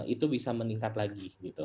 itu bisa meningkat lagi